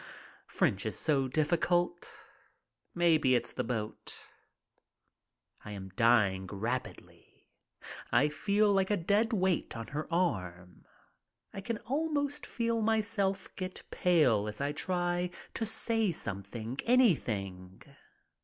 French is so difficult. Maybe it's the boat. I am dying rapidly. I feel like a dead weight on her arm. I can almost feel myself get pale as I try to say something, anything.